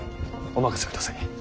お任せください。